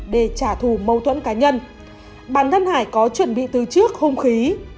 để trả thù mâu thuẫn cá nhân bản thân hải có chuẩn bị từ trước hung khí